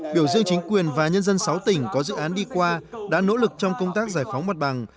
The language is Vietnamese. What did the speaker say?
biểu dương chính quyền và nhân dân sáu tỉnh có dự án đi qua đã nỗ lực trong công tác giải phóng mặt bằng